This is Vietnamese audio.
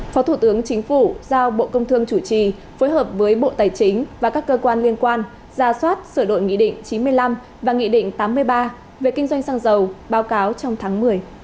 phó thủ tướng chính phủ giao bộ công thương chủ trì phối hợp với bộ tài chính và các cơ quan liên quan ra soát sửa đổi nghị định chín mươi năm và nghị định tám mươi ba về kinh doanh xăng dầu báo cáo trong tháng một mươi